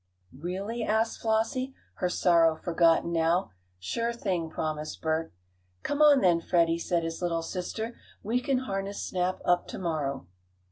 "Really?" asked Flossie, her sorrow forgotten now. "Sure thing," promised Bert. "Come on, then, Freddie," said his little sister. "We can harness Snap up to morrow."